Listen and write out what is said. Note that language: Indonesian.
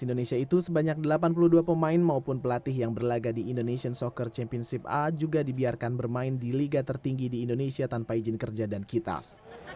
di indonesia itu sebanyak delapan puluh dua pemain maupun pelatih yang berlaga di indonesian soccer championship a juga dibiarkan bermain di liga tertinggi di indonesia tanpa izin kerja dan kitas